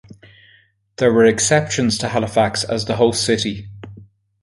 There were exceptions to Halifax as the host city.